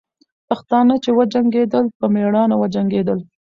پښتانه چې وجنګېدل، په میړانه وجنګېدل.